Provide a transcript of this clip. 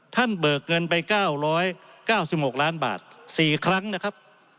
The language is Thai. ท่านเบิกเงินไปเก้าร้อยเก้าสิบหกล้านบาทสี่ครั้งนะครับ